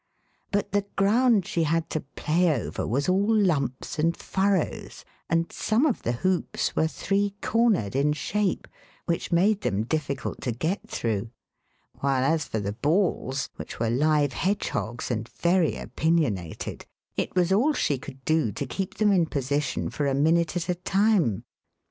But the ground she had to play over was all lumps and furrows, and some of the hoops were three cornered in shape, which made them difficult to get through, while as for the balls (which were live hedgehogs and very opinionated), it was all she could do to keep them in position for a minute at a time.